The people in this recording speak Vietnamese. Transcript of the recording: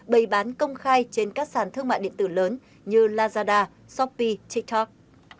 bày bán công khai trên các sàn thương mại điện tử lớn như lazada shopee tiktok